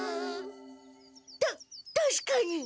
たたしかに。